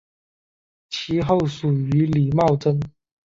其后属于李茂贞。